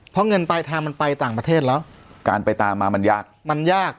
เพราะเงินปลายทางมันไปต่างประเทศแล้วการไปตามมามันยากมันยาก